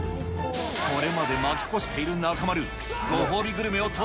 これまで負け越している中丸。